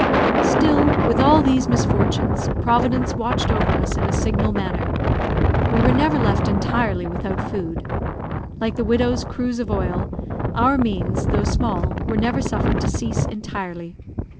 Still, with all these misfortunes, Providence watched over us in a signal manner. We were never left entirely without food. Like the widow's cruise of oil, our means, though small, were never suffered to cease entirely.